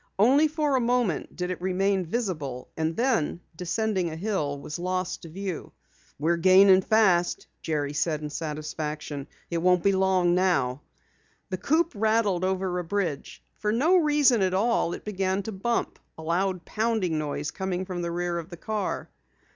Only for a moment did it remain visible, and then, descending a hill, was lost to view. "We're gaining fast," Jerry said in satisfaction. "It won't be long now." The coupe rattled over a bridge. For no reason at all it began to bump, a loud pounding noise coming from the rear of the car.